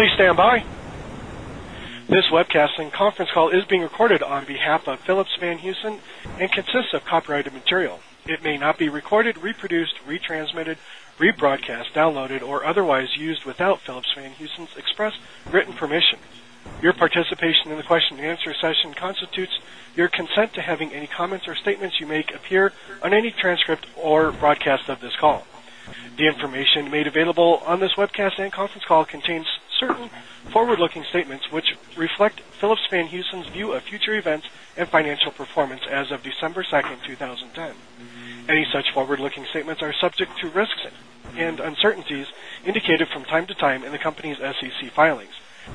Please standby. This webcast and conference call is being recorded on behalf of Phillips Van Houston and consists of copyrighted material. It may not be recorded, reproduced, retransmitted, rebroadcast, downloaded or otherwise used without Phillips Van Houston's expressed written permission. Your participation in the question and answer session constitutes your consent to having any comments or statements you make appear on any transcript or broadcast of this call. The information made available on this webcast and conference call contains certain forward looking statements, which reflect Phillips Van Housen's view of future events and financial performance as of December 2, 2010. Any such forward looking statements are subject to risks and uncertainties indicated from time to time in the company's SEC filings.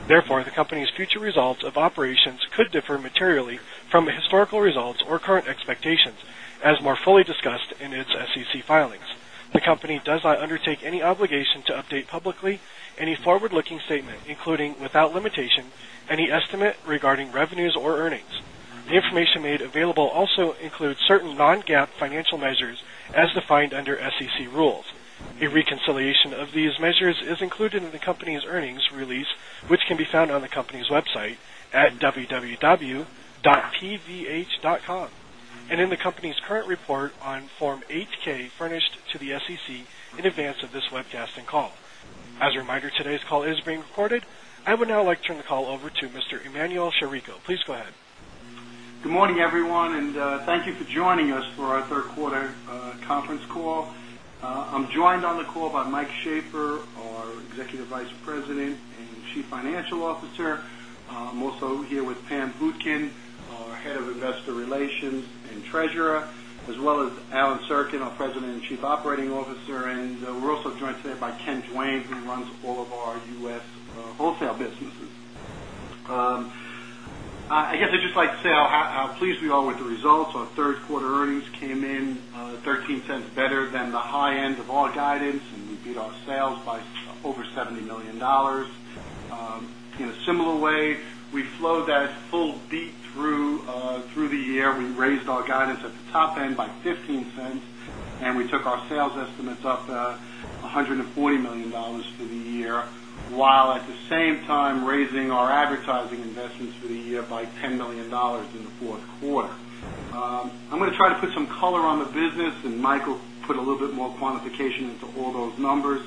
Therefore, the company's future results of operations could differ materially from historical results or current expectations as more fully discussed in its SEC filings. The company does not undertake any obligation to publicly update any forward looking statement, including without limitation any estimate regarding revenues or earnings. The information made available also includes certain non GAAP financial measures as defined under SEC rules. A reconciliation of these measures is included in the company's earnings release, which can be found on the company's website at www.pvh.com and in the company's current report on Form 8 ks furnished to the SEC in advance of this webcast and call. As a reminder, today's call is being recorded. I would now like to turn the call over to Mr. Emmanuel Sharico. Please go ahead. Good morning, everyone, and thank you for joining us for our Q3 conference call. I'm joined on the call by Mike Schaeffer, our Executive Vice President and Chief Financial Officer. I'm also here with Pam Butkin, our Head of Investor Relations and Treasurer as well as Alan Serkin, our President and Chief Operating Officer. And we're also joined today by Ken Duane, runs all of our U. S. Wholesale businesses. I guess I'd just like to say how pleased we are with the results. Our 3rd quarter earnings came in $0.13 better than the high end of our guidance and we beat our sales by over $70,000,000 In a similar way, we flow that full beat through the year. We raised our guidance at the top end by $0.15 and we took our sales estimates up to $140,000,000 for the year, while at the same time raising our advertising investments for the year by $10,000,000 in the 4th quarter. I'm going to try to put some color on the business and Mike will put a little bit more quantification into all those numbers.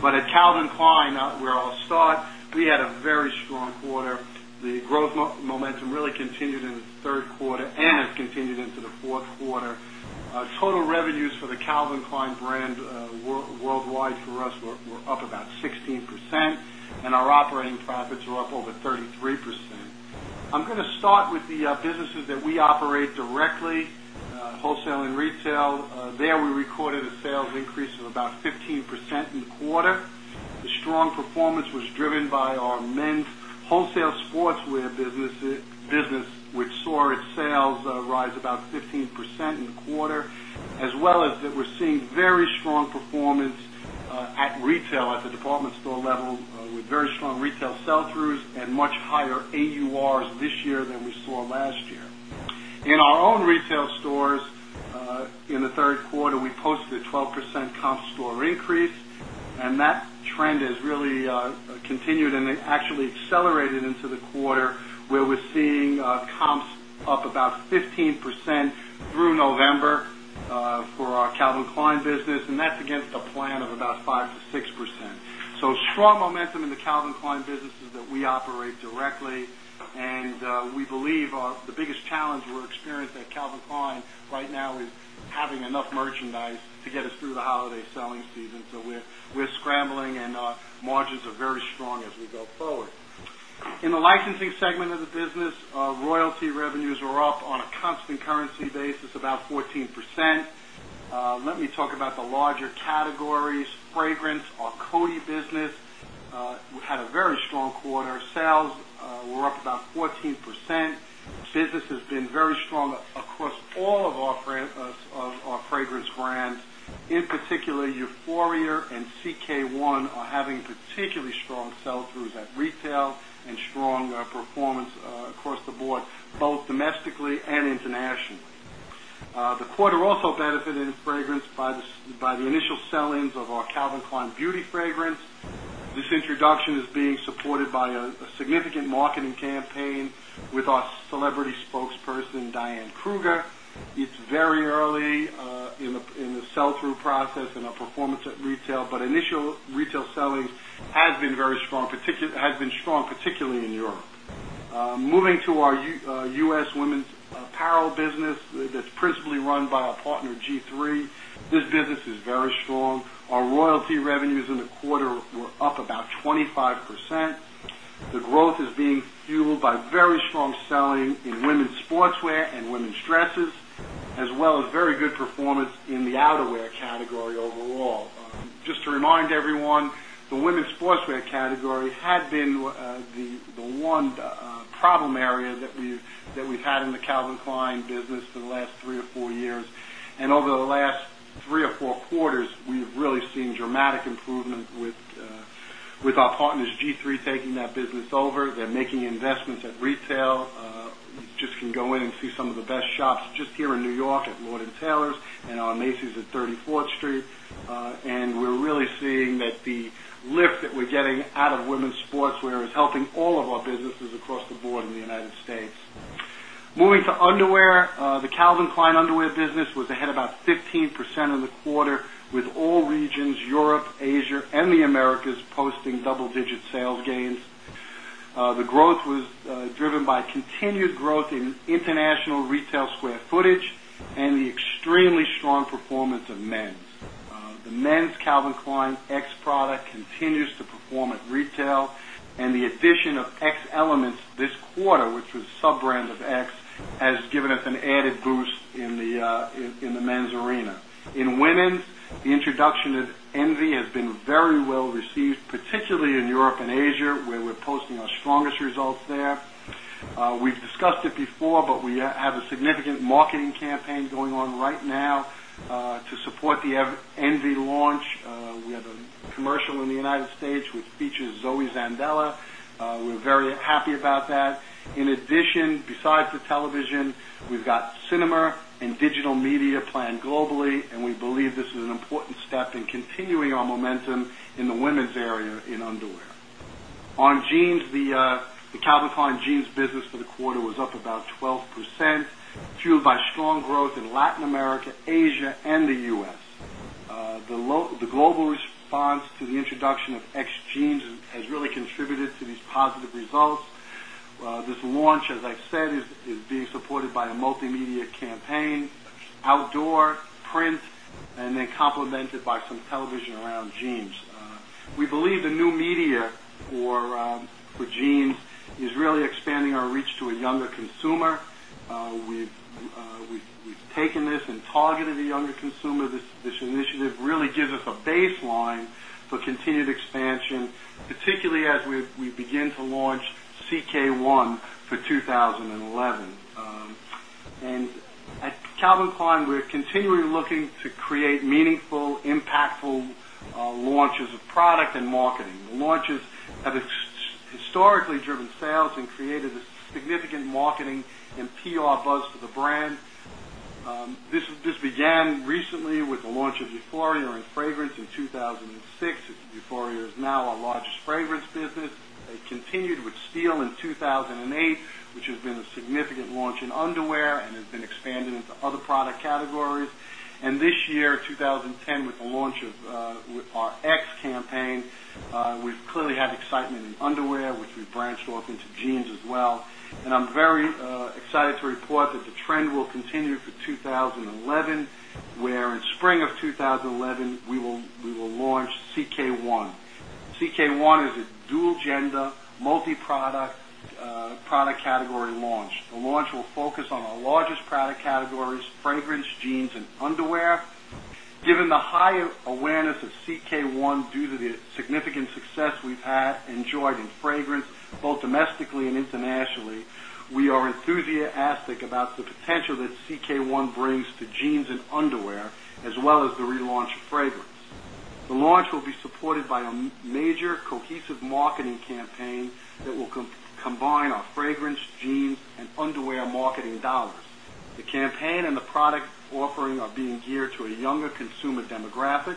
But at Calvin Klein, where I'll start, we had a very strong quarter. The growth momentum really continued in the Q3 and has continued into the Q4. Total revenues for the Calvin Klein brand worldwide for us were up about 16% and our operating profits were up over 33%. I'm going to start with the businesses that we operate directly, wholesale and retail. There we recorded a sales increase of about 15% in the quarter. The strong performance was driven our men's wholesale sportswear business, which saw its sales rise about 15% in the quarter, as well as that we're seeing very strong performance at retail at the department store level with very strong retail sell throughs and much higher AURs this year than we saw last year. In our own retail stores, in the Q3, we posted a 12% comp store increase and that trend has really continued and actually accelerated into the quarter where we're seeing comps up about 15% through November for our Calvin Klein business and that's against the plan of about 5% to 6%. So strong momentum in the Calvin Klein businesses that we operate directly and we believe the biggest challenge we're experienced at Calvin Klein right now is having enough merchandise to get us through the holiday selling season. So we're scrambling and margins are very strong as we go forward. In the licensing segment of the business, royalty revenues were up on a constant currency basis about 14%. Let me talk about the larger categories, fragrance, our Coty business, we had a very strong quarter, sales were up about 14%. Business has been very strong across all of our fragrance brands, in particular, Euphoria and CK1 are having particularly strong sell throughs at retail and strong performance across the board, both domestically and internationally. The quarter also benefited fragrance by the initial sell ins of our Calvin Klein beauty fragrance. This introduction is being supported by a significant marketing campaign with our celebrity spokesperson Diane Kruger. It's very early in the sell through process and our performance at retail, but initial retail selling has been very strong, particularly has been strong particularly in Europe. Moving to our U. S. Women's apparel business that's principally run by our partner G III. This business is very strong. Our royalty revenues in the quarter were up about 25%. The growth is being fueled by very strong selling in women's sportswear and women's dresses as well as very good performance in the outerwear category overall. Just to remind everyone, the women's sportswear category had been the one problem area that we've had in the Calvin Klein business for the last 3 or 4 years. And over the last 3 or 4 quarters, we've really seen dramatic improvement with our partners G III taking that business over. They're making investments at retail. You just can go in and see some of the best shops just here in New York at Lord and Taylor's and on Macy's at 34th Street. And we're really seeing that the lift we're getting out of women's sportswear is helping all of our businesses across the board in the United States. Moving to underwear, the Calvin Klein underwear business was ahead about 15% in the quarter with all regions Europe, Asia and the Americas posting double digit sales gains. The growth was driven by continued growth in international retail square footage and the extremely strong performance of men's. The men's Calvin Klein X product continues to perform at retail and the addition of X elements this quarter which was sub brands of X has given us an added boost in the men's arena. In women's, the introduction of ENVE has been very well received, particularly in Europe and Asia where we're posting our strongest results there. We've discussed it before, but we have a significant marketing campaign going on right now to support the ENVEY launch. We have a commercial in the United States which features Zoey Zandela. We're very happy about that. In addition, besides the television, we've got cinema and digital media planned globally and we believe this is an important step in continuing our momentum in the women's area in underwear. On jeans, the Calvin Klein jeans business for the quarter was up about 12% fueled by strong growth in Latin America, Asia and the U. S. The global response to the introduction of X Jeans has really contributed to these positive results. This launch, as I've said, is being supported by a multimedia campaign, outdoor, print and then complemented by some television around jeans. We believe the new media for jeans is really expanding our reach to a younger consumer. We've taken this and targeted the younger consumer. This initiative really gives us a baseline for continued expansion, particularly as we begin to launch CK1 for 2011. And at Calvin Klein, we're continually looking to create meaningful, impactful launches of product and marketing. Launches have historically driven sales and created a significant marketing and PR buzz for the brand. This began recently with the launch of euphoria and fragrance in 2,006. The euphoria is now our largest fragrance business. It continued with steel in 2,008, which has been a significant launch in underwear and has been expanded into other product categories. And this year, 2010 with the launch of our X campaign, We've clearly had excitement in underwear, which we branched off into jeans as well. And I'm very excited to report that the trend will continue for 2011, where in spring of 2011, we will launch CK1. CK1 is a dual gender multi product category launch. The launch will focus on our largest product categories fragrance, jeans and underwear. Given the higher awareness of CK1 due to the significant success we've had in joined in fragrance, both domestically and internationally, we are enthusiastic about the potential that CK1 brings to jeans and underwear as well as the relaunch fragrance. The launch will be supported by a major cohesive marketing campaign that will combine our fragrance, jeans and underwear marketing dollars. The campaign and the product offering are being geared to a younger consumer demographic.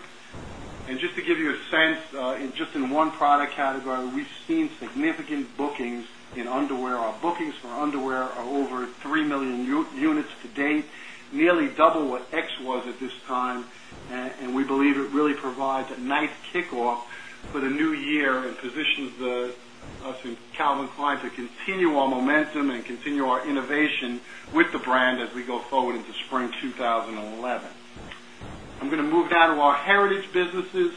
And just to give you a sense in just in one product category, we've seen significant bookings in underwear. Our bookings for underwear are over 3,000,000 units to date, nearly double what X was at this time. And we believe it really provides a nice kickoff for the New Year and positions us in Calvin Klein to continue our momentum and continue our innovation with the brand as we go forward into spring 2011. I'm going to move now to our heritage businesses.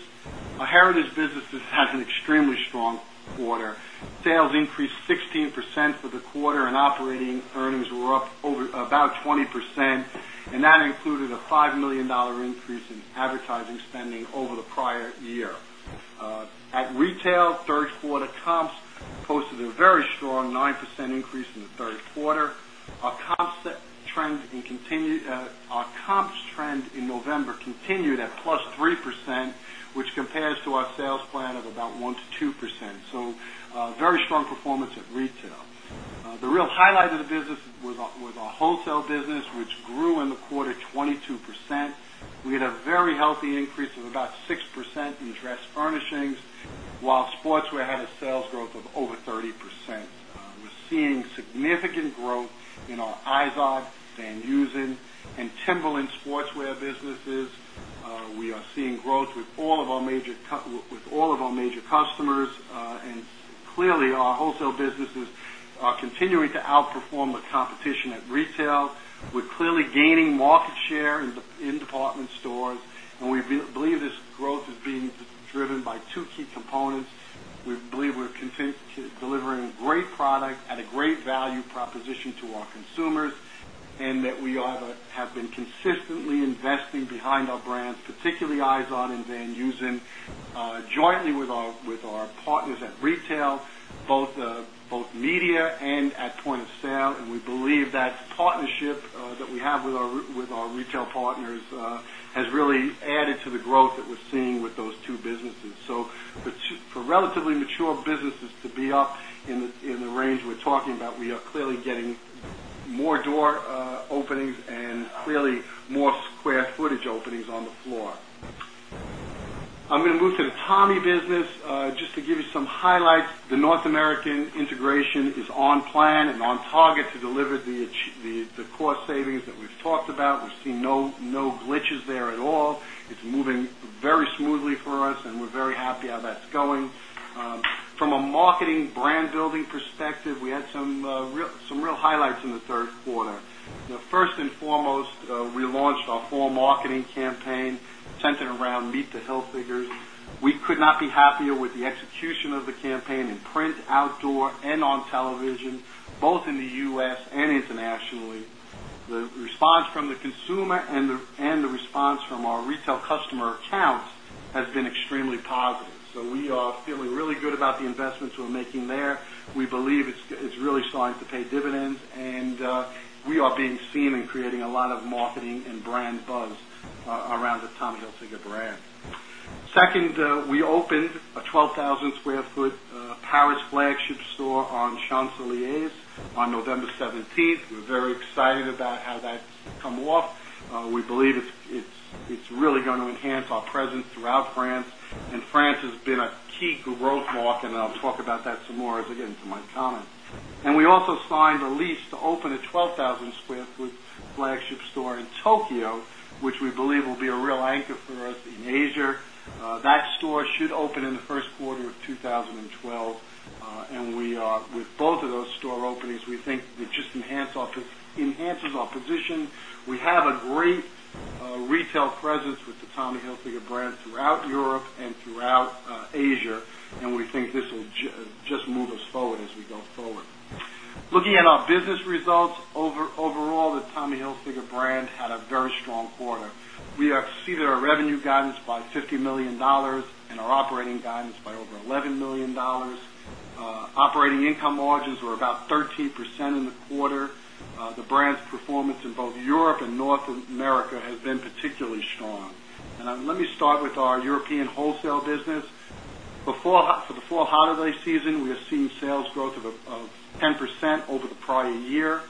Our heritage businesses had an extremely strong quarter. Increased 16% for the quarter and operating earnings were up over about 20% and that included a $5,000,000 increase in advertising spending over the prior year. At retail, 3rd quarter comps posted a very strong 9% increase in the 3rd quarter. Our comps trend in November continued at plus 3%, which compares to our sales plan of about 1% to 2%, so very strong performance at retail. The real highlight of the business was our wholesale business, which grew in the quarter 22%. We had a very healthy increase of about 6% in dress furnishings, while sportswear had a sales growth of over 30%. We're seeing significant growth in our Izod, Van Heusen and Timberland sportswear businesses. We are seeing growth with all of our major customers and clearly our wholesale businesses are continuing to outperform the competition at retail. We're clearly gaining market share in department stores and we believe this growth has been driven by 2 key components. We believe we're delivering great product at a great value proposition to our consumers and that we have been consistently investing behind our brands, particularly IZON and Van Usen jointly with our partners at retail, both media and at point of sale. And we believe that partnership that we have with our retail partners has really added to the growth that we're seeing with those two businesses. So for relatively mature businesses to be up in the range we're talking about, we are clearly getting more door openings and clearly more square footage openings on the floor. I'm going to move to the Tommy business. Just to give you some highlights, the North American integration is on plan and on target to deliver the cost savings that we've talked about. We've seen no The first and foremost, we launched our full marketing campaign. The first and foremost, we launched our full marketing campaign centered around Meet the Hill figures. We could not be happier with the execution of the campaign in print, outdoor and on television, both in the U. S. And internationally, the response from the consumer and the response from our retail customer accounts has been extremely positive. So we are feeling really good about the investments we're making there. We believe it's really starting to pay dividends and we are being seen in creating a lot of marketing and brand buzz around the Tom Hilsager brand. 2nd, we opened a 12,000 square foot Paris flagship store on Champs Elysees on November 17th. We're very excited about how that's come off. We believe it's really going to enhance our presence throughout France and France has been a key growth market and I'll talk about that some more as I get into my comments. And we also signed a lease to open a 12,000 square foot flagship store in Tokyo, which we believe will be a real anchor for us in Asia. That store should open in the Q1 of 2012. And we are with both of those store openings, we think it just enhances our position. We have a great retail presence with the Tommy Hilfiger brand throughout Europe and throughout Asia and we think this will just move us forward as we go forward. Looking at our business results, overall the Tommy Hilfiger brand had a very strong quarter. We have exceeded our revenue guidance by $50,000,000 and our operating guidance by over $11,000,000 Operating income margins were about 13% in the quarter. The brand's performance in both Europe and North America has been particularly strong. And let me start with our European wholesale business. For the fall holiday season, we have seen sales growth of 10% over the prior year.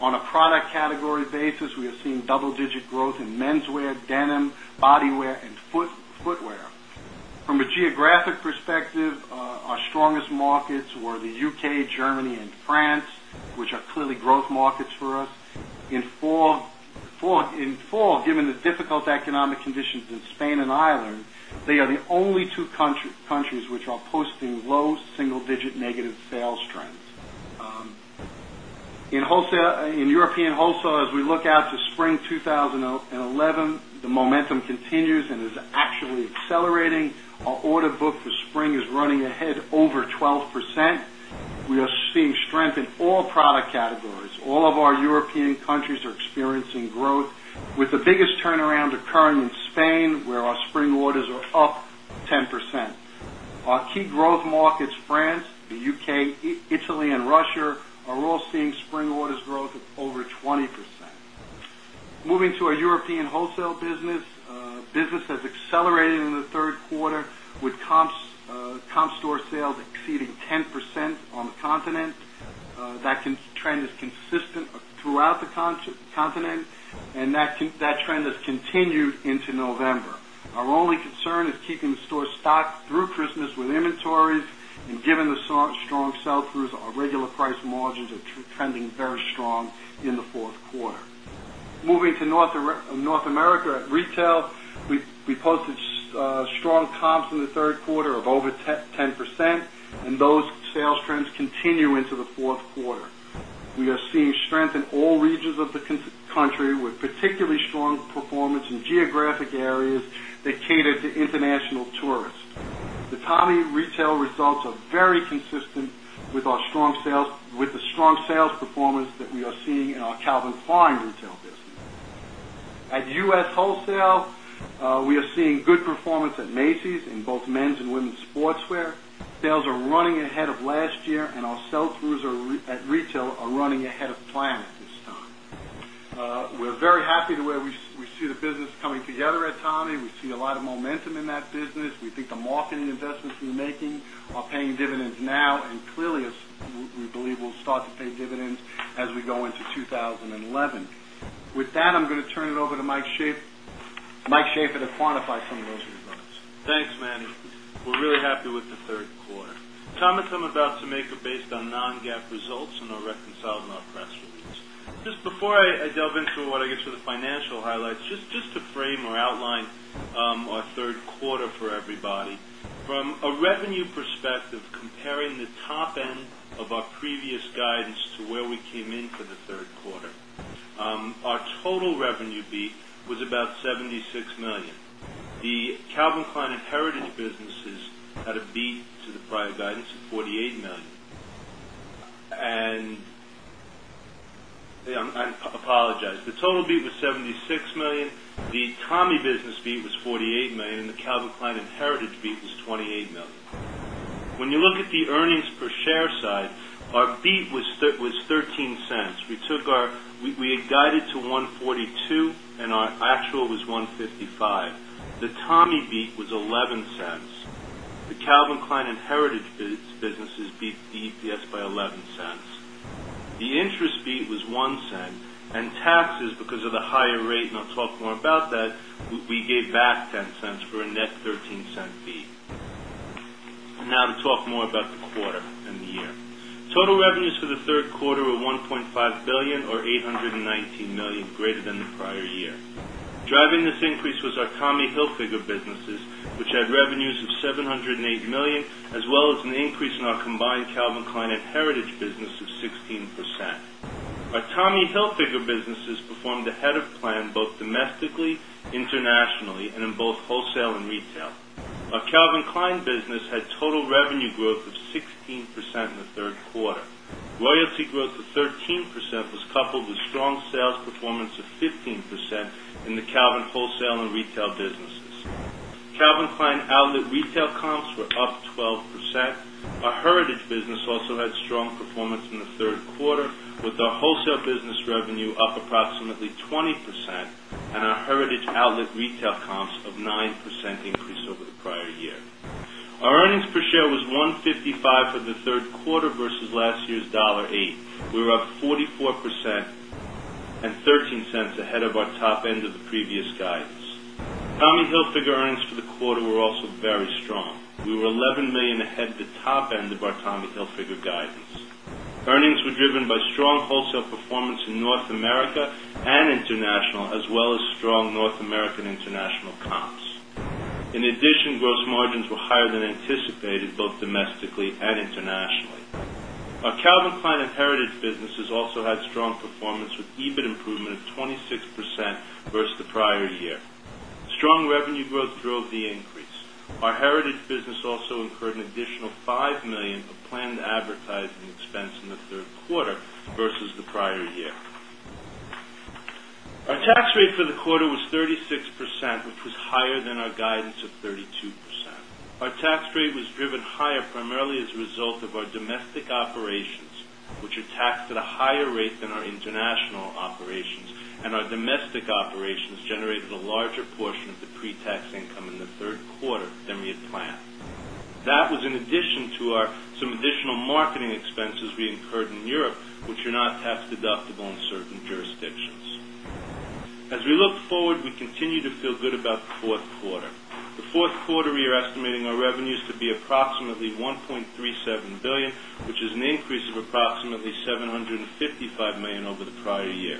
On a product category basis, we have seen double digit growth in menswear, denim, body wear and footwear. From a geographic perspective, our strongest markets were the UK, Germany and France, which are clearly growth markets for us. In fall, given the difficult economic conditions in Spain and Ireland, they are the only 2 countries which are posting low single digit negative sales trends. In European wholesale, as we look out to spring 2011, the momentum continues and is actually accelerating. Our order book for spring is running ahead over 12%. We are seeing strength in all product categories. All of our European countries are experiencing growth with the biggest turnaround occurring in Spain where our spring orders are up 10%. Our key growth markets France, the UK, Italy and Russia are all seeing spring orders growth of over 20%. Moving to our European wholesale business, business has accelerated in the Q3 with comp store sales exceeding 10% on the continent. That trend is consistent throughout the continent and that trend has continued into November. Our only concern is keeping the store stock through Christmas with inventories and given the strong sell throughs, our regular price margins are trending very strong in the Q4. Moving to North America at retail, we posted strong comps in the Q3 of over 10% and those sales trends continue into the Q4. We are seeing strength in all regions of the country with particularly strong performance in geographic areas that cater to international tourists. The Tommy retail results are very consistent with our strong sales with the strong sales performance that we are seeing in our Calvin Klein retail business. At U. S. Wholesale, we are seeing good performance at Macy's in both men's and women's sportswear. Sales are running ahead of last year and our sell throughs at retail are running ahead of plan at this time. We're very happy the way we see the business coming together at Tommy. We see a lot of momentum in that business. We the marketing investments we're making are paying dividends now and clearly we believe we'll start to pay dividends as we go into 2011. With that, I'm going to turn it over to Mike Schafer to quantify some of those results. Thanks, Manny. We're really happy with the Q3. Comments I'm about to make are based on non GAAP results and are reconciled in our press release. Just before I delve into what I guess are the financial highlights, just to frame or outline our Q3 for everybody. From a revenue perspective comparing the top end of our previous guidance to where we came in for the Q3, our total revenue beat was about 76,000,000 dollars The Calvin Klein and Heritage businesses had a beat to the prior guidance of $48,000,000 And I apologize. The total beat was $76,000,000 The Tommy business beat was 48,000,000 The Calvin Klein and Heritage fee was $28,000,000 When you look at the earnings per share side, our fee was $0.13 We took our we had guided to $1.42 and our actual was $1.55 The Tommy beat was $0.11 The Calvin Klein and Heritage Businesses beat the EPS by $0.11 The interest beat was $0.01 and taxes because of the higher rate and I'll talk more about that, we gave back $0.10 for a net $0.13 fee. Now to talk more about the quarter and the year. Total revenues for the Q3 were $1,500,000,000 or $819,000,000 greater than the prior year. Driving this Driving this increase was our Tommy Hilfiger businesses, which had revenues of $708,000,000 as well as an increase in our combined Calvin Klein and heritage business of 16%. Our Tommy Hilfiger businesses performed ahead of both domestically, internationally and in both wholesale and retail. Our Calvin Klein business had total revenue growth of 16% in the Q3. Royalty growth of 13% was coupled with strong sales performance of 15% in the Calvin wholesale and retail businesses. Calvin Klein outlet retail comps were up 12%. Our heritage business also had strong performance in the 3rd quarter with our wholesale business revenue up approximately 20% and our heritage outlet retail comps of 9% increase over the prior year. Our earnings per share was $1.55 for the 3rd quarter versus last year's $1.08 We were up 44% and $0.13 ahead of our top end of the previous guidance. Tommy Hilfiger earnings for the quarter were also very strong. We were $11,000,000 ahead the top end of Tommy Hilfiger guidance. Earnings were driven by strong wholesale performance in North America and international as well as strong North American international comps. In addition, gross margins were higher than anticipated both domestically and internationally. Our Calvin Klein and Heritage businesses also had strong performance with EBIT improvement of 26% versus the prior year. Strong revenue growth drove the increase. Our heritage business also incurred an additional $5,000,000 of planned advertising expense in the Q3 versus the prior year. Our tax rate for the quarter was 36%, which was higher than our guidance of 32%. Our tax rate was driven higher primarily as a result of our domestic operations, which are taxed at a higher rate than our international operations. And our domestic operations generated a larger portion of the pre tax income in the 3rd quarter than we had planned. That was in addition to our some additional marketing expenses we incurred in Europe, which are not tax deductible in certain jurisdictions. As we look forward, we continue to feel good about the 4th quarter, we are estimating our revenues to be approximately $1,370,000,000 which is an increase of approximately $755,000,000 over the prior year.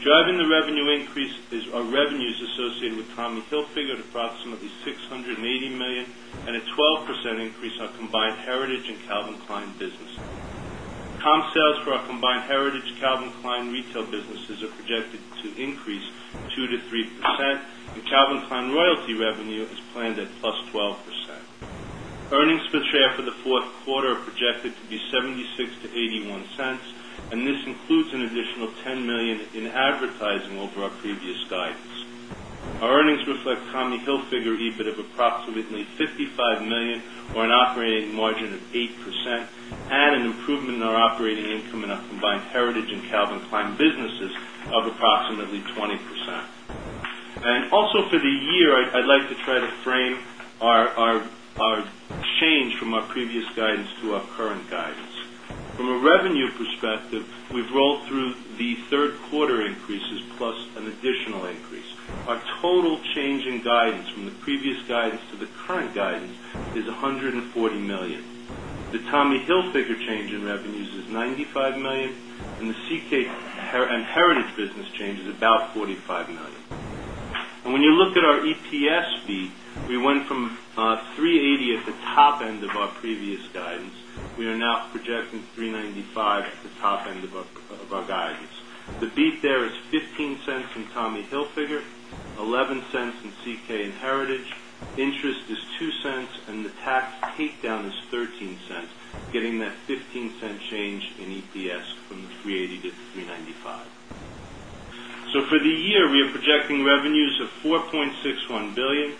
Driving the revenue increase is our revenues associated with Tommy Hilfiger at approximately $680,000,000 and a 12% increase on combined heritage and Calvin Klein business. Comp sales for our combined heritage Calvin Klein retail businesses are projected to increase 2% to 3% and Calvin Klein royalty revenue is planned at +12%. Earnings per share for the Q4 are projected to be $0.76 to $0.81 and this includes an additional $10,000,000 in advertising over our previous guidance. Our earnings reflect Tommy Hilfiger EBIT of approximately €55,000,000 or an operating margin of 8% and an improvement in our operating income in our combined heritage and Calvin Klein businesses of approximately 20%. And also for the year, I'd like to try to frame our change from our previous guidance to our current guidance. From a revenue perspective, we've rolled through the 3rd quarter increases plus an additional increase. Our total change in guidance from the previous guidance to the current guidance is $140,000,000 The Tommy Hilfiger change in revenues is $95,000,000 and the CK and Heritage business change is about 45,000,000 dollars And when you look at our EPS fee, we went from $3.80 at the top end of our previous guidance. We are now projecting $3.95 at the top end of our guidance. The beat there is $0.15 in Tommy Hilfiger, dollars 0.11 in CK and Heritage, interest is $0.02 and the tax takedown is $0.13 getting that $0.15 change in EPS from $3.80 to 3.95 dollars So for the year, we are projecting revenues of $4,610,000,000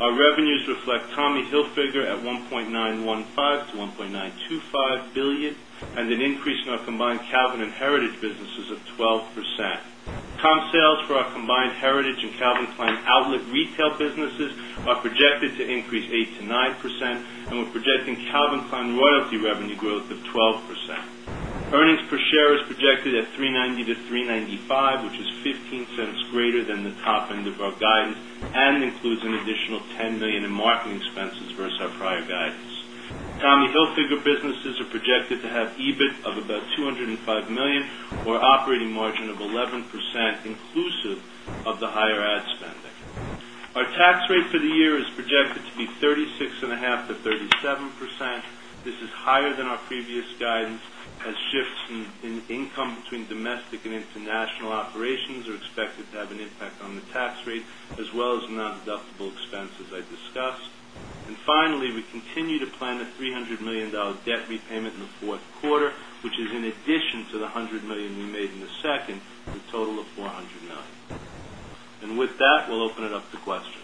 Our revenues reflect Tommy Hilfiger at $1,915,000,000 to $1,925,000,000 and an increase in our combined Calvin and Heritage businesses of 12%. Comp sales for our combined Heritage and Calvin Klein outlet retail businesses are projected to increase 8% to 9%, and we're projecting Calvin Klein royalty revenue growth of 12%. Earnings per share is projected at $3.90 to $3.95 which is $0.15 greater than the top end of our guidance and includes an additional $10,000,000 in marketing expenses versus our prior guidance. Tommy Hilfiger businesses are projected to have EBIT of about $205,000,000 or operating margin of 11% inclusive of the higher ad spending. Our tax rate for the year is projected to be 36.5% to 37%. This is higher than our previous guidance as shifts in income between domestic and international operations are expected to have an impact on the tax rate as well as non deductible expenses I discussed. And finally, we continue to plan a $300,000,000 debt repayment in the Q4, which is in addition to the $100,000,000 we made in the second, a total of $400,000,000 And with that, we'll open it up to questions.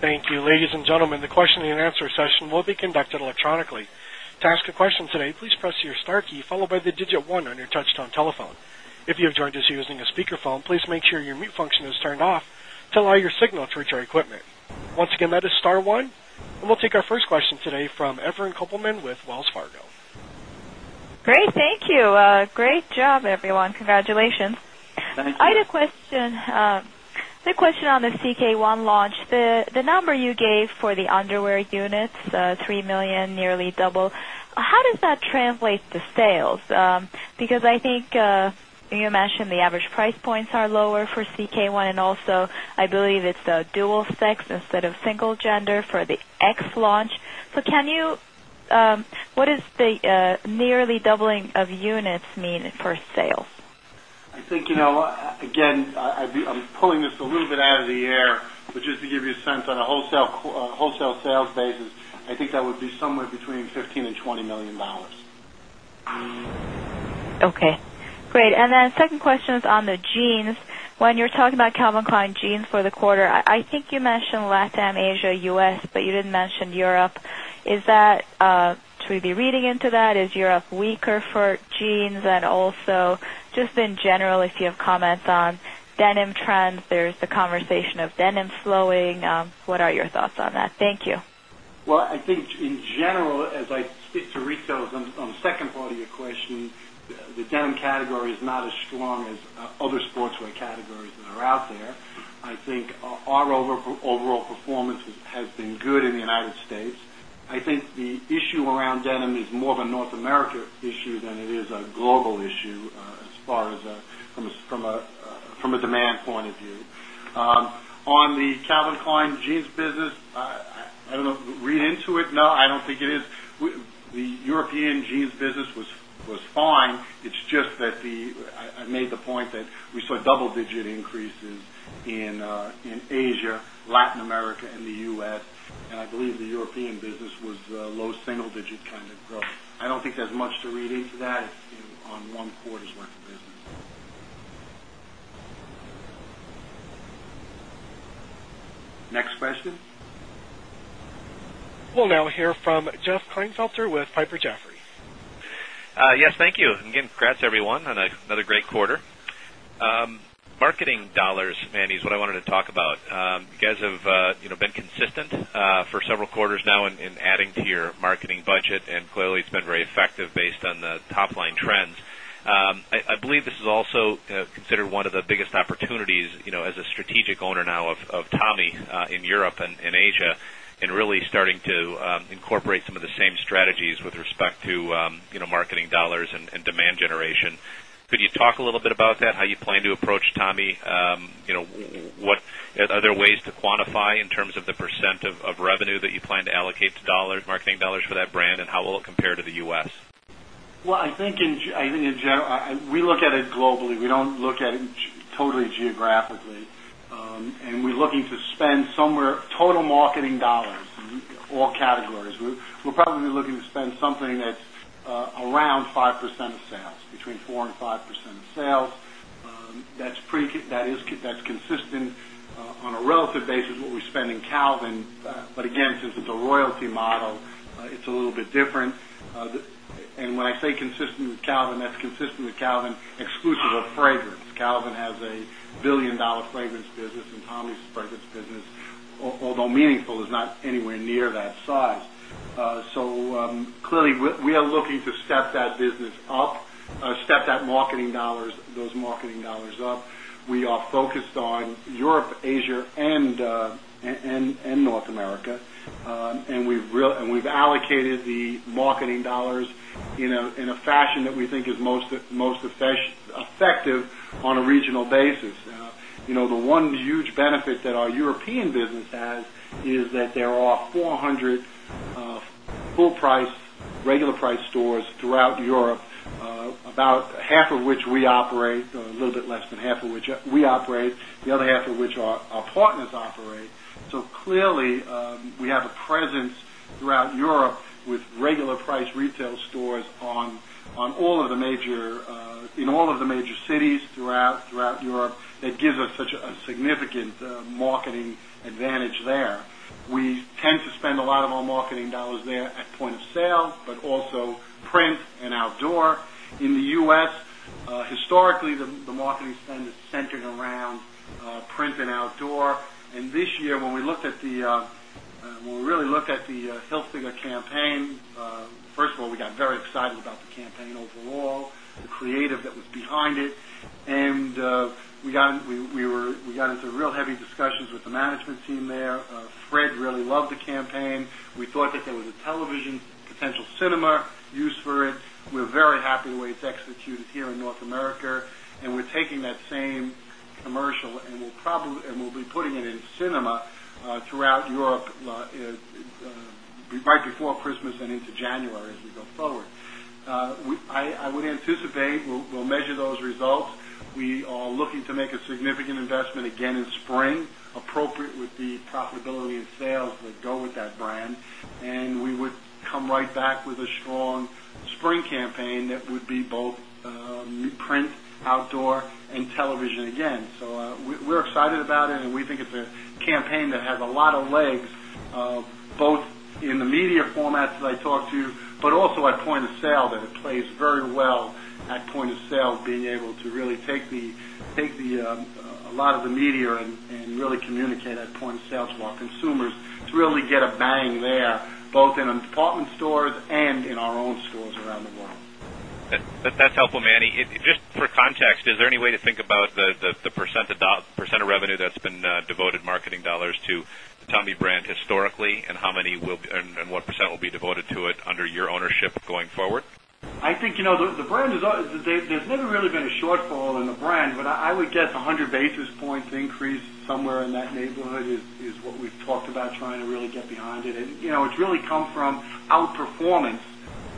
Thank you. Ladies and gentlemen, the question and answer session will be conducted And we'll take our first question today from Evelyn Kopelman with Wells Fargo. Great. Thank you. Great job, everyone. Congratulations. Thanks. I had a question on the CK1 launch. The number you gave for the underwear units, dollars 3,000,000 nearly double, How does that translate to sales? Because I think you mentioned the average price points are lower for CK1 and also I believe it's dual sex instead of single gender for the X launch. So can you what is the nearly doubling of units mean for sales? I think, again, I'm pulling this a little bit out of the air, but just to give you a sense on a wholesale sales basis, basis, I think that would be somewhere between $15,000,000 $20,000,000 Okay, great. And then second question is on the jeans. When you're talking about Calvin Klein jeans for the quarter, I think you mentioned LatAm, Asia, U. S, but you didn't mention Europe. Is that should we be reading into that? Is Europe weaker for jeans? And also just in general if you have comments on denim trends, there's the conversation of denim slowing. What are your thoughts on that? Thank you. Well, I think in general as I speak to resells on the second part of your question, the denim category is not as strong as other sportswear categories that are out there. I think our overall performance has been good in the United States. I think the issue around denim is more of a North America issue than it is a global issue as far as from a demand point of view. On the Calvin Klein Jeans business, I don't know if you read into it. No, I don't think it is. The European Jeans business was fine. It's just that the I made the point that we saw double digit increases in Asia, Latin America and the U. S. And I believe the European Latin America and the U. S. And I believe the European business was low single digit kind of growth. I don't think there's much to read into that on one quarter's worth of business. Next question? We'll now hear from Jeff Klinefelter with Piper Jaffray. Yes, thank you. Again, congrats everyone on another great quarter. Marketing dollars, Manny, is what I wanted to talk about. You guys have been consistent for several quarters now in adding to your marketing budget and clearly it's been very effective based on the top line trends. I believe this is also considered one of the biggest opportunities as a strategic owner now of Tommy in Europe and in Asia and really starting to incorporate some of the same strategies with respect to marketing dollars and demand generation. Could you talk a little bit about that? How you plan to approach Tommy? What are there ways to quantify in terms of the percent of revenue that you plan to allocate to dollars marketing dollars for that brand? And how will it compare to the U. S? Well, I think in general, we look at it globally. We don't look at it totally geographically. And we're looking to spend somewhere total marketing dollars in all categories. We're probably looking to spend something that's around 5% of sales, between 4% 5% of sales. That's consistent on a relative basis what we spend in Calvin, but again, since it's a royalty model, it's a little bit different. And when I say consistent with Calvin, that's consistent with Calvin exclusive of fragrance. Calvin has a $1,000,000,000 fragrance business and Tommy's fragrance business, although meaningful is not anywhere near that size. So clearly, we are looking to step that business up, step that marketing dollars those marketing dollars up. We are focused on Europe, Asia and North America. And we've allocated the marketing dollars in a fashion that we think is most effective on a regional basis. The one huge benefit that our European business has is that there are 400 full price regular price stores throughout Europe, about half of which we operate, a little bit less than half of which we operate, the other half of which our partners operate. So clearly, we have a presence throughout Europe with regular price retail stores on all of the major in all of the major cities throughout Europe that gives us such a significant marketing advantage there. We tend to spend a lot of our marketing dollars there at point of sale, but also print and outdoor. In the U. S, historically, the marketing spend is centered around print and outdoor. And this year when we looked at the when we really looked at the Hilfiger campaign, first of all, we got very excited about the campaign overall, the creative that was behind it. And we got into real heavy discussions with the management team there. Fred really the campaign. We thought that there was a television potential cinema use for it. We're very happy the way it's executed here in North America. And we're taking that same commercial and we'll probably and we'll be putting it in cinema throughout Europe right before Christmas and into January as we go forward. I would anticipate we'll measure those results. We are looking to make a significant investment again in spring appropriate with the profitability sales that go with that brand. And we would come right back with a strong spring campaign that would be both print, outdoor and television again. So we're excited about it and we think it's a campaign that has a lot of legs both in the media formats that I talked to, but also at point of sale that it plays very well at point of sale being able to really take the a lot of the media and really communicate at point of sale to our consumers to really get a bang there both in department stores and in our own stores around the world. That's helpful Manny. Just for context is there any way to think about the percent of revenue that's been devoted marketing dollars to Tommy brand historically and how many will and what percent will be devoted to it under your ownership going forward? I think the brand is there's never really been a shortfall in the brand, but I would guess 100 basis points increase somewhere in that neighborhood is what we've talked about trying to really get behind it. It's really come from outperformance.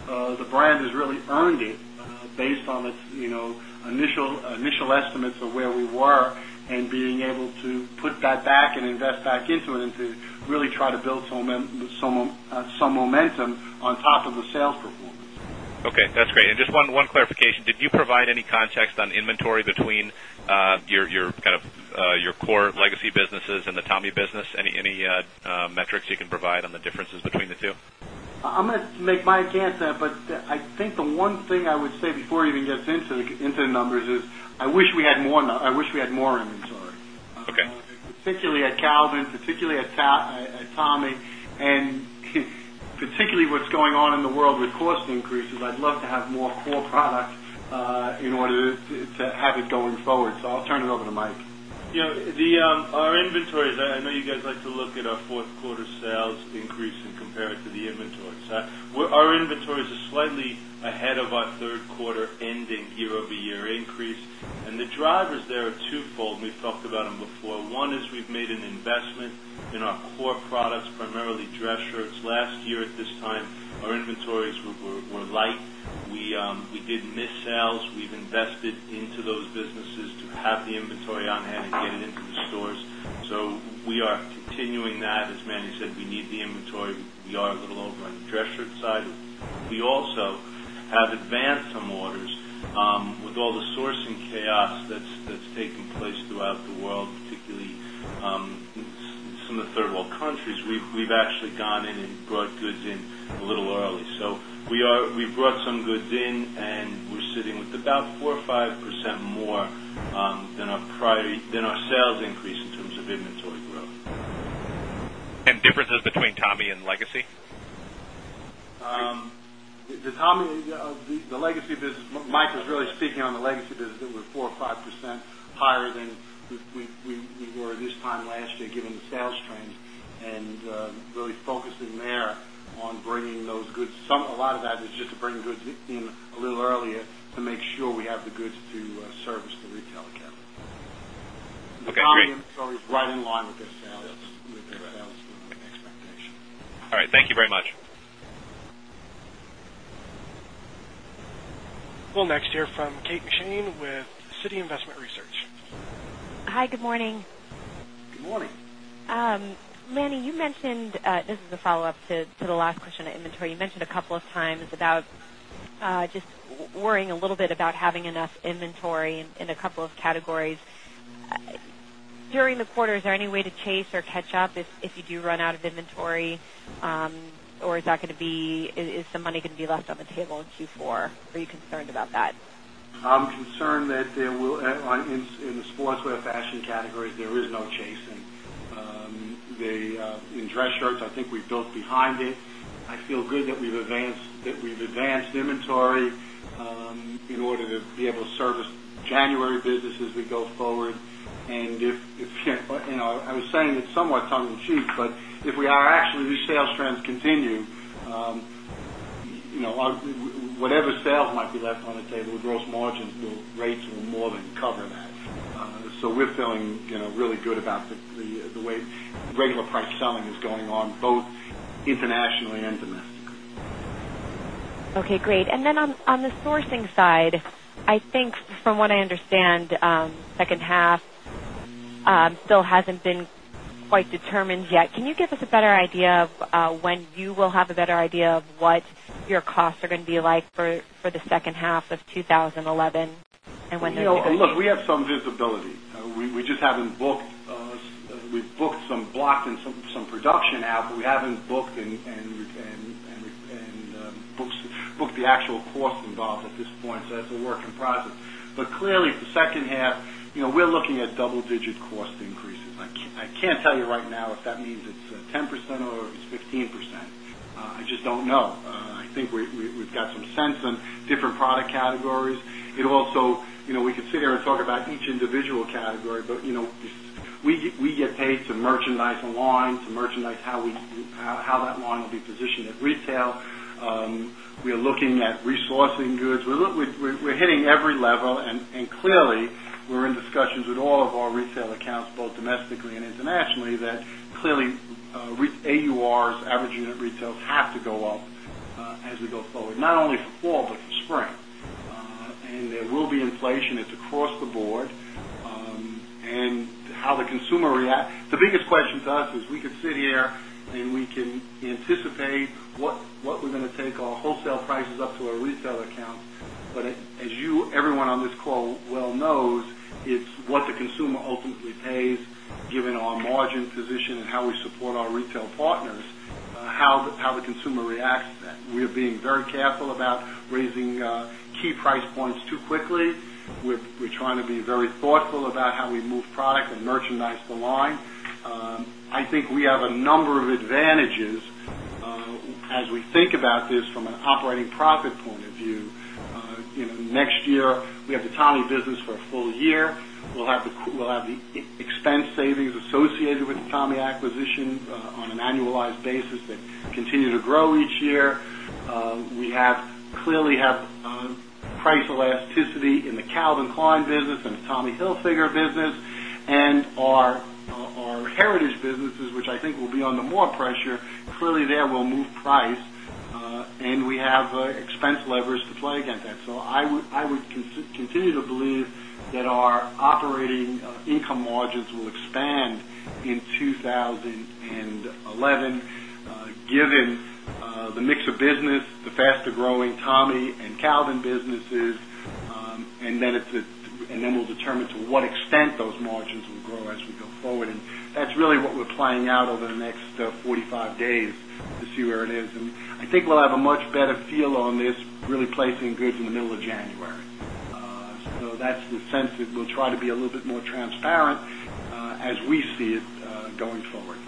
The brand has really earned it based on its initial estimates of where we were and being able to put that back and invest back into it and to really try to build some momentum on top of the sales performance. Okay, that's great. And just one clarification, did you provide any context on inventory between your kind of your core legacy businesses and the Tommy business, any metrics you can provide on the differences between the 2? I'm going to make my answer, but I think the one thing I would say before even gets into the numbers is I wish we had more inventory. Particularly at Calvin, particularly at Tommy and particularly what's going on in the world with cost increases, I'd love to have more core products in order to have it going forward. So I'll turn it over to Mike. Our inventories, I know you guys like to look at our 4th quarter sales increase and compare it to the inventory. So, our inventories are slightly ahead of our Q3 ending year over year increase. And the drivers drivers there are 2 fold and we've talked about them before. 1 is we've made an investment in our core products, primarily dress shirts. Last year at this time, our inventories were light. We did miss sales. We've invested into those businesses to have the inventory on how to get it to have invested into those businesses to have the inventory on hand and get it into the stores. So we are continuing that. As Manny said, we need the inventory. We are a little over on the dress shirt side. We also have advanced some orders with all the sourcing chaos that's taken place throughout the world, particularly some of the 3rd world countries. We've actually gone in and brought goods in a little early. So we are we brought some goods in and we're sitting with about 4% or 5% more than our prior than our sales increase in terms of inventory growth. And differences between Tommy and legacy? The Tommy the legacy business Mike is really speaking on the legacy business that we're 4% or 5% higher than we were this time last year given the sales trends and really focusing there on bringing those goods. Some a lot of that is just to bring goods in a little earlier to make sure we have the goods to service the retail account. Okay. Great. The commentary is right in line with the sales expectation. All right. Thank you very much. We'll next hear from Kate McShane with Citi Investment Research. Hi, good morning. Good morning. Manny, you mentioned this is a follow-up to the last question on inventory. You mentioned a couple of times about just worrying a little bit about having enough inventory in a couple of categories. During the quarter, is there any way to chase or catch up if you do run out of inventory? Or is that going to be is the money going to be left on the table in Q4? Are you concerned about that? I'm concerned that there will in the sportswear fashion categories, there is no chasing. In dress shirts, I think we've built behind I feel good that we've advanced inventory in order to be able to service January business as we go forward. And if I was saying it's somewhat tongue and cheek, but if we are actually the sales trends continue, whatever sales might be left on the table, the gross margins, the rates will more than cover that. So we're feeling really good about the way regular price selling is going on both internationally and domestically. Okay, great. And then on the sourcing side, I think from what I understand, second half still hasn't been quite determined yet. Can you give us a better idea of when you will have a better idea of what your costs are going to be like for the second half of twenty eleven? And when you look at it? Look, we have some visibility. We just haven't booked we've booked some blocks and some production out, but we haven't booked and booked the actual cost involved at this point. So it's a work in process. But clearly, the second half, we're looking at double digit cost increases. I can't tell you right now if that means it's 10% or it's 15%. I just don't know. I think we've got some sense on different product categories. It also we could sit here and talk about each individual category, but we get paid to merchandise the lines and merchandise how that line will be positioned at retail. We are looking at resourcing goods. We're hitting every level and clearly we're in discussions with all of our retail accounts both domestically and internationally that clearly AURs, and internationally that clearly AURs, average unit retail have to go up as we go forward, not only for fall, but for spring. And there will be inflation, it's across the board. And how the consumer, the biggest question to us is we could sit here and we can anticipate what we're going to take our wholesale prices up to our retail account. But as you everyone on this call well knows, it's what the consumer ultimately pays given our margin position and how we support our retail partners, how the consumer reacts to that. We are being very careful about raising key price points too quickly. We're trying to be very thoughtful about how we move product and merchandise the line. I think we have a number of advantages as we think about this from an operating profit point of view. Next year, we have the Tommy business for a full year. We'll have the expense savings associated with Tommy acquisition on an annualized basis that continue to grow each year. We have clearly have price elasticity in the Calvin Klein business and Tommy Hilfiger business. And in the Calvin Klein business and Tommy Hilfiger business and our heritage businesses, which I think will be under more pressure, clearly there will move price and we have expense levers to play against that. So I would continue to believe that our operating income margins will expand in 2011 given the mix of business, the faster growing Tommy and Calvin businesses and then we'll determine to what extent those margins will grow as we go forward. And that's really what we're playing out over the next 45 days to see where it is. And I think we'll have a much better feel on this really placing goods in the middle of January. So that's the sense that we'll try to be a little bit more transparent as we see it going forward.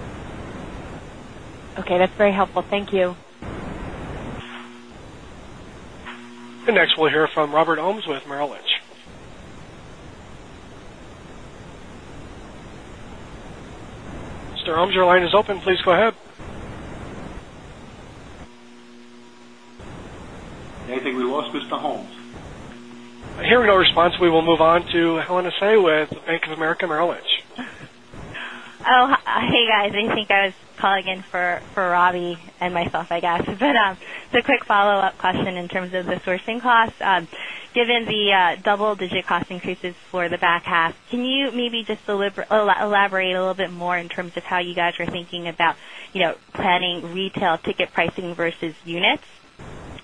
Okay. That's very helpful. Thank you. And next we'll hear from Robert Ohmes with Merrill Lynch. Mr. Ohmes, your line is open. Please go ahead. I think we lost Mr. Holmes. Hearing no response, we will move on to Helen Asey with Bank of America Merrill Lynch. Hey, guys. I think I was calling in for Robbie and myself, I guess. But a quick follow-up question in terms of the sourcing costs. Given the double digit cost increases for the back half, can you maybe just elaborate a little bit more in terms of how you guys are thinking about planning retail ticket pricing versus units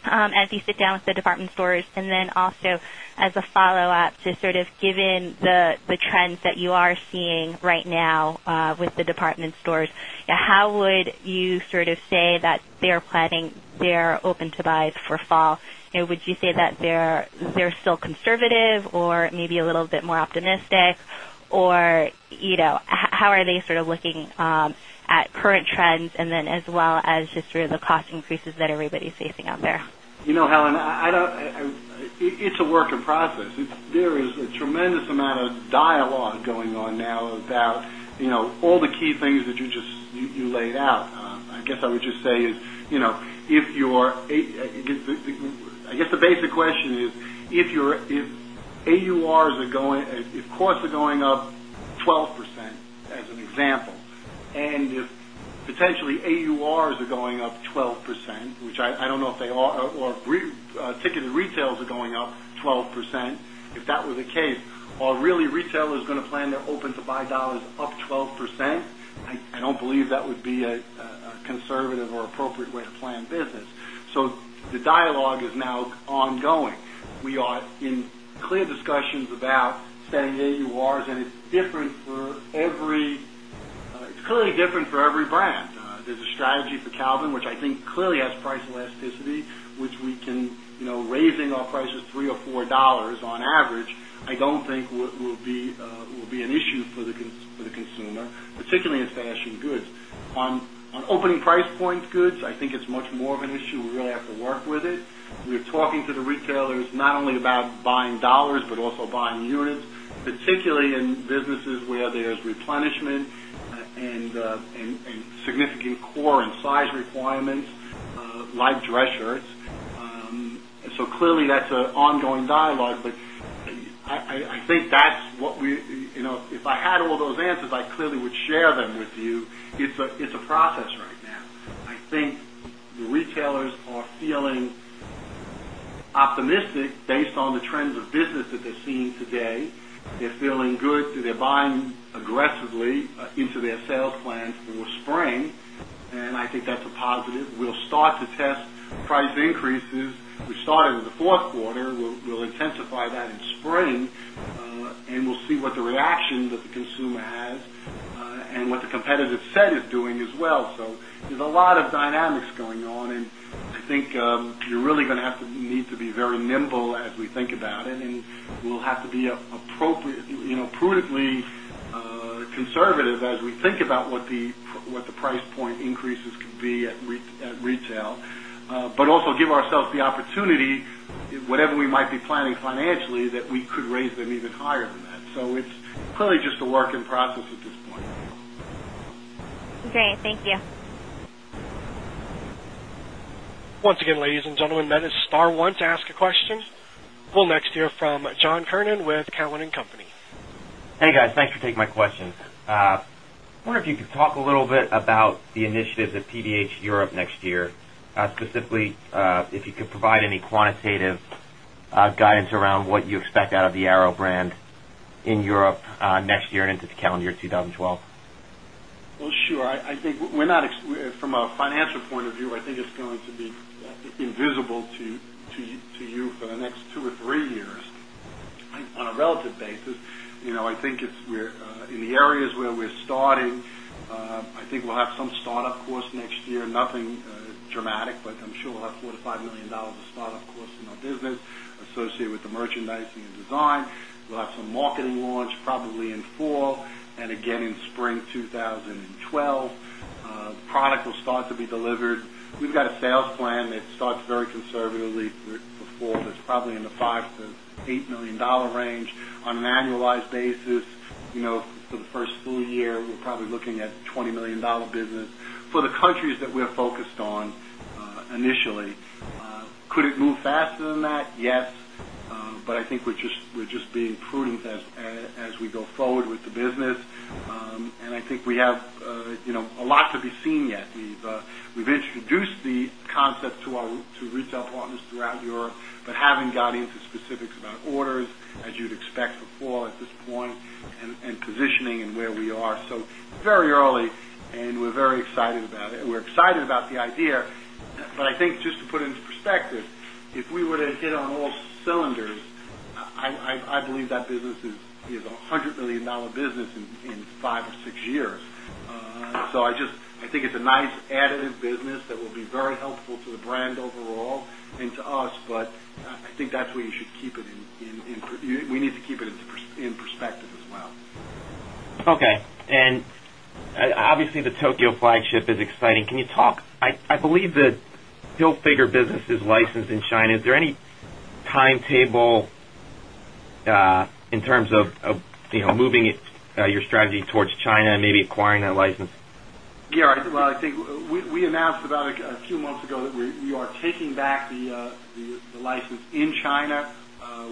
as you sit down with the department stores? And then also as a follow-up to sort of given the trends that you are seeing right now with the department stores, how would you sort of say that they're planning their open to buy for fall? Would you say that they're still conservative or maybe a little bit more optimistic? Or how are they sort of looking at current trends and then as well as just through the cost increases that everybody is facing out there? Helen, it's a work in process. There is a tremendous amount of dialogue going on now about all the key things that you just laid out. I guess I would just say is, if you're I guess the basic question is, if AURs are going if costs are going up ticketed retails are going up 12%, if that was the case, really retail is going to plan their open to buy dollars up 12%. I don't believe that would be a conservative or appropriate way to plan business. So the dialogue is now ongoing. We are in clear discussions about setting AURs and it's different for every it's clearly different for every brand. There's a strategy for Calvin, which I think clearly has price elasticity, which we can raising our prices $3 or $4 on average, I don't think will be an issue for the consumer, particularly in fashion goods. On opening price point goods, I think it's much more of an issue. We really have to work with it. We are talking to the retailers not only about buying dollars, but also buying units, particularly in businesses where there is replenishment and significant core and size requirements, live dress shirts. So clearly that's an ongoing dialogue. But I think that's what we if I had all those answers, I clearly would share them with you. It's a process right now. I think the retailers are feeling And I think that's a positive. We'll start to test price increase, And I think that's a positive. We'll start to test price increases. We started in the Q4. We'll intensify that in spring. And we'll see what the reaction that the consumer has and what the competitive set is doing as well. So there's a lot of dynamics going on and I think you're really going to have to need to be very nimble as we think about it and we'll have to be appropriately conservative as we think about what the price point increases can be at retail, but also give ourselves the opportunity, whatever we might be planning financially that we could raise them even higher than that. So it's clearly just a work in process at this point. Great. Thank you. We'll next hear from John Kernan with Cowen and Company. Hey, guys. Thanks for taking my questions. I wonder if you could talk a little bit about the initiatives at PDH Europe next year, specifically if you could provide any quantitative guidance around what you expect out of the 2012? Well, sure. I think we're not from a financial point of view, I think it's going to be invisible to you for the next 2 or 3 years on a relative basis. I think it's in the areas where we're starting, I think we'll have some start up costs next year, nothing dramatic, but I'm sure we'll have $4,000,000 to $5,000,000 of start up course in our business associated with the merchandising and design. We'll have some marketing launch probably in fall and again in spring 2012. Product will start to be delivered. We've got a sales plan that starts very conservatively before that's probably in the $5,000,000 to $8,000,000 range on an annualized basis. For the 1st full year, we're probably looking at $20,000,000 business. For the countries that we're focused on initially. Could it move faster than that? Yes. But I think we're just being prudent as we go forward with the business. And I think we have a lot to be seen yet. We've introduced the concept to retail partners throughout Europe, but haven't got into specifics about orders as you'd expect before at this point and positioning and where we are. So very early and we're very excited about it. We're excited about the idea. But I think just to put it into perspective, if we were to hit on all cylinders, I believe that business is $100,000,000 business in 5 or 6 years. So I just I think it's a nice additive business that will be very helpful to the brand overall and to us. But I think that's where you should keep it in we need to keep it in perspective as well. Okay. And obviously the Tokyo flagship is exciting. Can you talk I believe the field figure business is licensed in China. Is there any timetable in terms of moving your strategy towards China and maybe acquiring that license? Yes. Well, I think we announced about a few months ago that we are taking back the license in China.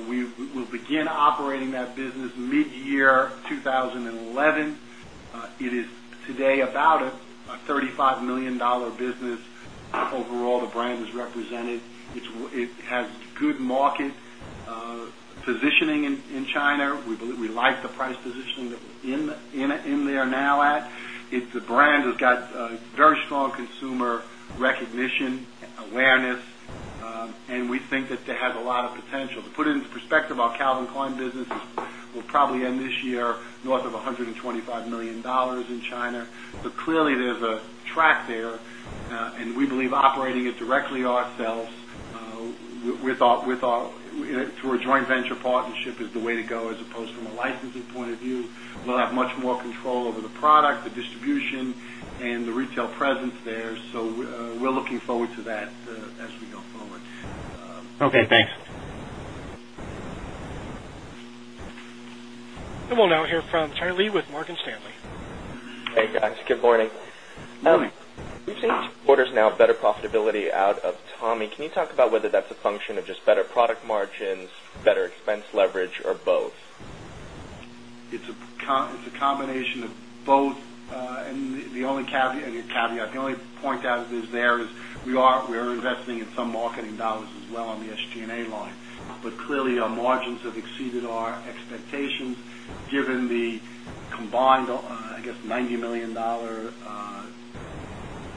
We will begin operating that business mid year 2011. It is today about a $35,000,000 business. Overall, the brand is represented. It has good market positioning in China. We believe we like the price positioning in there now at. It's a brand that's got very strong consumer recognition awareness and we think that they have a lot of potential. To put it into perspective, our Calvin Klein business will probably end this year north of $125,000,000 in China. So clearly there's a track there and we believe operating it directly ourselves with our through a joint venture partnership is the way to go as opposed from a licensing point of view. We'll have much more control over the product, the distribution and the retail presence there. So we're looking forward to that as we go forward. Okay. Thanks. And we'll now hear from Charlie Lee with Morgan Stanley. Hey, guys. Good morning. Good morning. You've seen 2 quarters now better profitability out of Tommy. Can you talk about whether that's a function of just better product margins, better expense leverage or both? It's a combination of both. And the only caveat, the only point out is there is we are investing in some marketing dollars as well on the SG and A line. But clearly our margins have exceeded our expectations given the combined I guess $90,000,000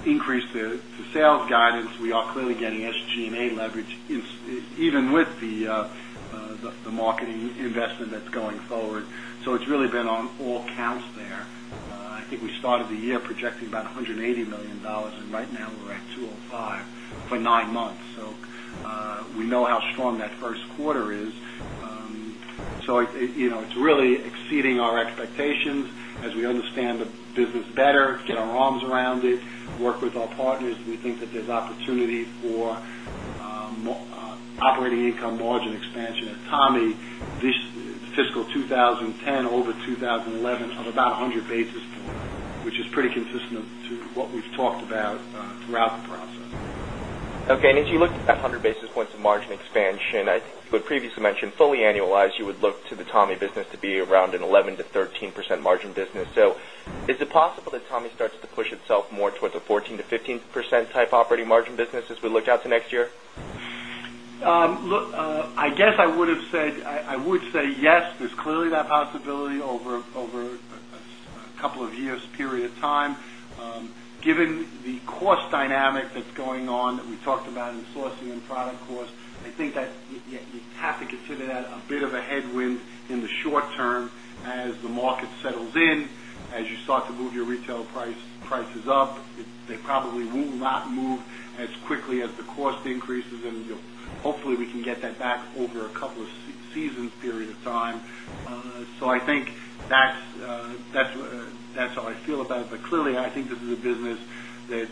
increase to sales guidance we are clearly getting SG and A leverage even with the marketing investment that's going forward. So it's really been on all counts there. I think we started the year projecting about $180,000,000 and right now we're at $205,000,000 for 9 months. So we know how strong that Q1 is. So it's really exceeding our expectations as we understand the business better, get our arms around it, work with our partners. We think that there's opportunity for operating income margin expansion at Tommy. This fiscal 2010 over 2011 of about 100 basis points, which is pretty consistent to what we've talked about throughout the process. Okay. And as you look at that 100 basis points of margin expansion, I think you had previously mentioned fully annualized, you would look to the Tommy business to be around an 11% to 13% margin business. So is it possible that Tommy starts to push itself more towards a 14% to 15% type operating margin business as we look out to next year? Look, I guess I would have said I would say yes, there's clearly that possibility over a couple of years period of time. Given the cost dynamic that's going on that we talked about in sourcing and product costs, I think that you have to consider that a bit of a headwind in the short term as the market settles in, as you start to move your retail prices up, they probably will not move as quickly as the cost increases and hopefully we can get that back over a couple of seasons period of time. So I think that's how I feel about it. But clearly, I think this is a business that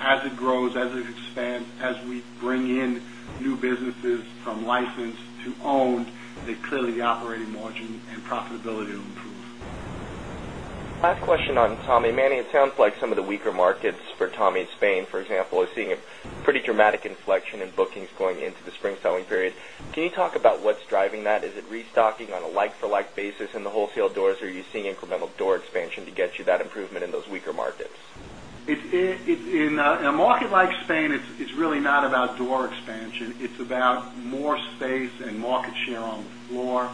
as it grows, as it expands, as we bring in new businesses from license to owned, clearly the operating margin margin and profitability will improve. Last question on Tommy. Manny, it sounds like some of the weaker markets for Tommy in Spain, for example, are seeing a pretty dramatic inflection in bookings going into the spring selling period. Can you talk about what's driving that? Is it restocking on a like for like basis in the wholesale doors? Are you seeing incremental door expansion to get you that improvement in those weaker markets? In a market like Spain, it's really not about door expansion. It's about more space and market share on the floor.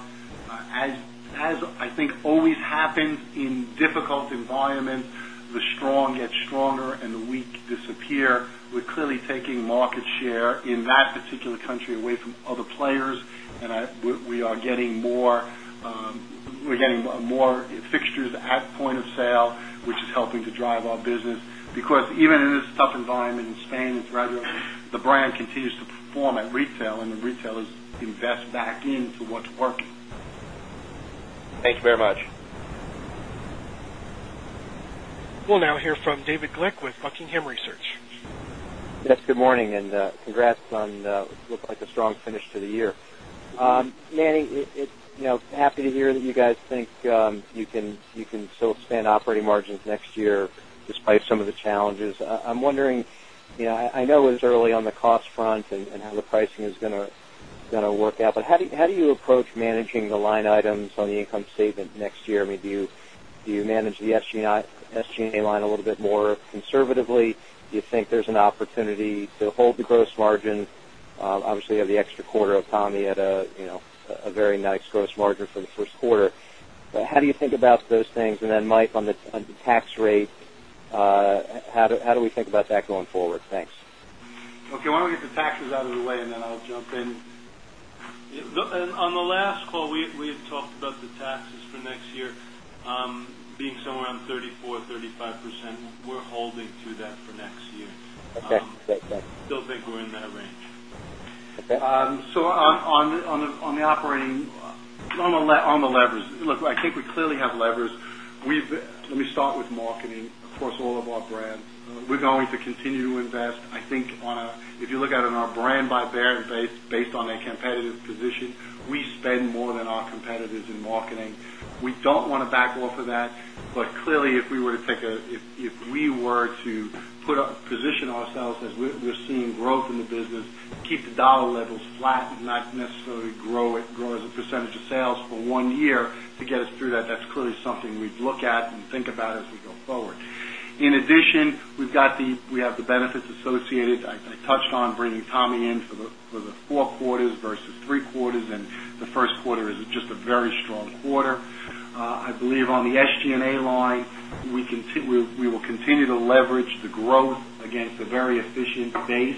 As I think always happens in difficult environment, the strong gets stronger and the weak disappear. We're clearly taking market share in that particular country away from other players and we are getting more fixtures at point of sale, which is helping to drive our business because even in this tough environment in Spain, it's rather the brand continues to perform at retail and the retailers invest back into what's working. Working. We'll now hear from David Glick with Buckingham Research. Yes, good morning and congrats on what looks like a strong finish to the year. Manny, happy to hear that you guys think you can still expand operating margins next year despite some of the challenges. I'm wondering, I know it was early on the cost front and how the pricing is going to work out, but how do you approach managing the line items on the income statement next year? I mean, do you manage the SG and A line a little bit more conservatively? Do you think there's an opportunity to hold the gross margin? Obviously, you have the extra quarter of Tommy at a very nice gross margin for the Q1. How do you think about those things? And then, Mike, on the tax rate, how do we think about that going forward? Thanks. Okay. Why don't we get the taxes out of the way and then I'll jump in. On the last call, we had talked about the taxes for next year being somewhere around 34%, 35%. We're holding through that for next year. Okay. Thanks. Still think we're in that range. Okay. So on the operating on the levers, look, I think we clearly have levers. We've let me start with marketing, of across all of our brands. We're going to continue to invest. I think on a if you look at it on our brand by brand base based on their competitive position, we spend more than our competitors in marketing. We don't want to back off of that. But clearly if we were to take a if we were to put a position ourselves as we're seeing growth in the business, keep the dollar levels flat and not necessarily grow it, grow as a percentage of sales for 1 year to get us through that, that's clearly something we'd look at and think about as we go forward. In addition, we've got the we have the benefits associated. I touched on bringing Tommy in for the 4 quarters versus 3 quarters and the Q1 is just a very strong quarter. I believe on the SG and A line, we will continue to leverage the growth against a very efficient base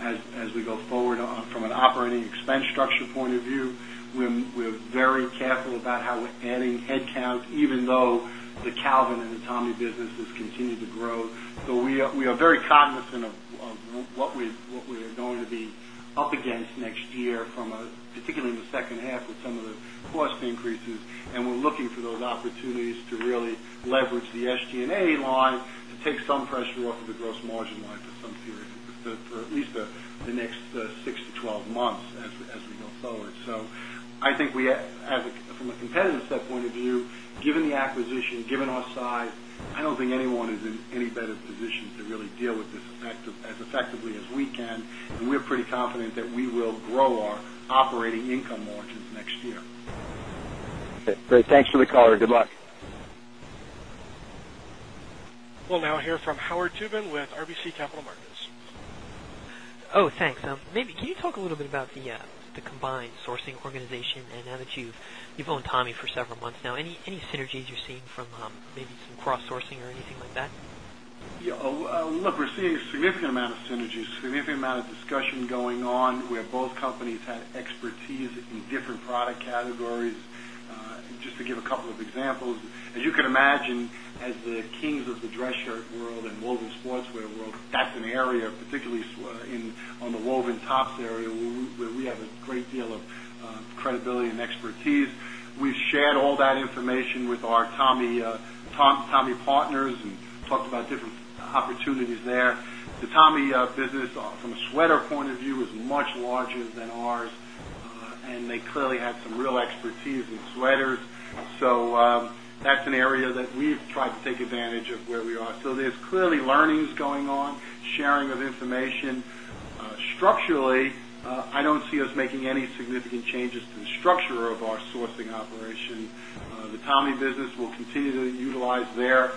as we go forward from an operating expense structure point of view. We're very careful about how we're adding headcount even though the Calvin and the Tommy businesses continue to grow. So we are very cognizant of what we are going to be up against next year from a particularly in the second half with some of the cost increases and we're looking for those opportunities to really leverage the SG and A line to take some pressure off of the gross margin line for some period for at least the next 6 to 12 months as we go forward. So I think we have from a competitive standpoint of view, given the acquisition, given our size, I don't think anyone is in any better position to really deal with this as effectively as we can. And we are pretty confident that we will grow our operating income margins next year. Great. Thanks for the color. Good luck. We'll now hear from Howard Tubin with RBC Capital Markets. Thanks. Maybe can you talk a little bit about the combined sourcing organization and now that you've owned Tommy for several months now, any synergies you're seeing from maybe some cross sourcing or anything like that? Look, we're seeing a significant amount of synergies, significant amount of discussion going on where both companies had expertise in different product categories. Just to give a couple of examples, as you can imagine as the kings of the dress shirt world and woven sportswear world that's an area particularly in on the woven tops area where we have a great deal of credibility and expertise. We've shared all that information with our Tommy partners and talked about different opportunities there. The Tommy business from a sweater point of view is much larger than ours and they clearly had some real expertise in sweaters. So that's an area that we've tried to take advantage of where we are. So there's clearly learnings going on, sharing of information. Structurally, I don't see us making any significant changes to the structure of our sourcing operation. The Tommy business will continue to utilize their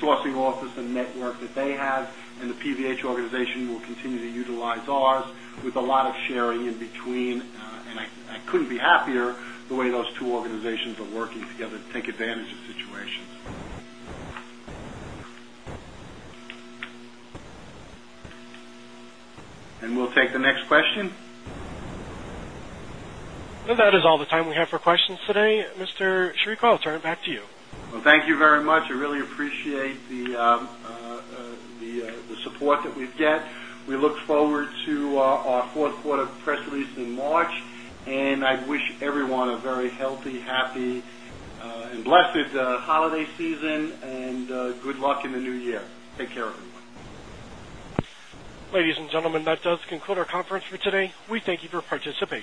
sourcing office and network that they have and the PVH organization will continue to utilize ours with a lot of sharing in between. And I couldn't be happier the way those two organizations are working together to take advantage of situations. And we'll take the next question. And that is all the time we have for questions today. Mr. Sherik, I'll turn it back to you. Well, thank you very much. I really appreciate the support that we've get. We look forward to our Q4 press release in March. And I wish everyone a very healthy, happy and blessed holiday season and good luck in the New Year. Take care. Ladies and gentlemen, that does conclude our conference for today. We thank you for your participation.